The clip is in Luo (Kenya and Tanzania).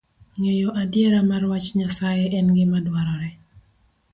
Ng'eyo adiera mar wach Nyasaye en gima dwarore